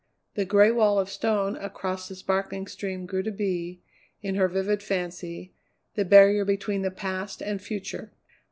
The gray wall of stone across the sparkling stream grew to be, in her vivid fancy, the barrier between the past and future.